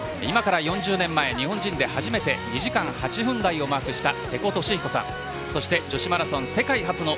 ４０年前日本人で初めて２時間８分台をマークした瀬古利彦さん。